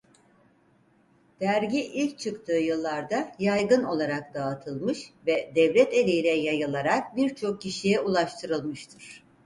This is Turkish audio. Dergi ilk çıktığı yıllarda yaygın olarak dağıtılmış ve devlet eliyle yayılarak birçok kişiye ulaştırılmıştır.